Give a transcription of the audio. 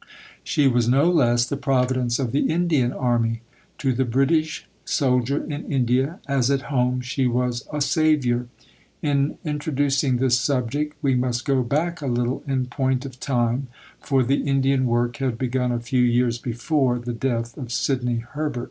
She was no less the Providence of the Indian Army. To the British soldier in India, as at home, she was "a saviour." In introducing this subject, we must go back a little in point of time, for the Indian work had begun a few years before the death of Sidney Herbert.